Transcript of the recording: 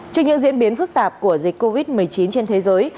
trước những diễn biến phức tạp của dịch covid một mươi chín trên thế giới